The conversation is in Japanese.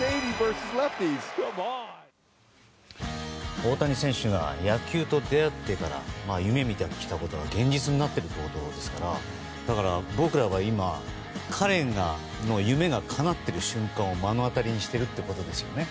大谷選手が野球と出会ってから夢見てきたことが現実になってるということですからだから、僕らは今彼の夢がかなっている瞬間を目の当たりにしてるってことですよね。